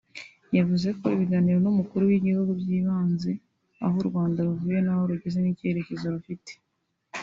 yavuze ko ibiganiro n’Umukuru w’igihugu byibanze aho u Rwanda ruvuye n’aho rugeze n’icyerekezo rufite